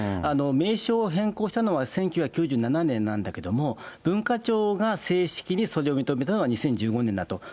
名称を変更したのは１９９７年なんだけども、文化庁が正式にそれを認めたのは２０１５年だと。